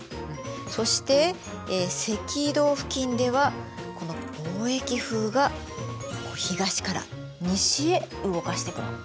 そして赤道付近ではこの貿易風が東から西へ動かしてくの。